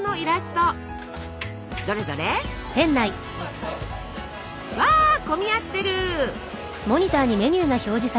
どれどれ？わ混み合ってる！